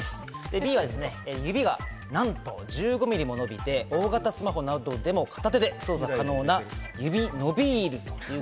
Ｂは、指がなんと１５ｍｍも伸びて大型スマホなどでも片手で操作が可能な、指のびる。